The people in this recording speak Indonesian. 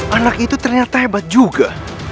anak itu ternyata hebat juga